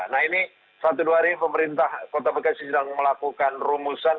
nah ini satu dua hari pemerintah kota bekasi sedang melakukan rumusan